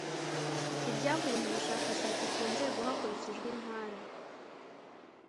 Ibyavuye mu bushakashatsi ku nzego hakurikijwe intara